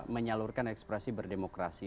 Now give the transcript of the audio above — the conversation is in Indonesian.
menyalurkan ekspresi berdemokrasi